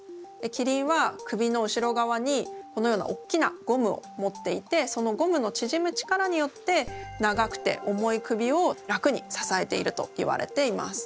キリンは首の後ろ側にこのようなおっきなゴムを持っていてそのゴムのちぢむ力によって長くて重い首を楽にささえているといわれています。